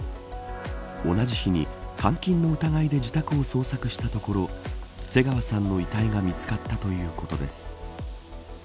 同じ日に監禁の疑いで自宅を捜索したところ瀬川さんの遺体が見つかったということです。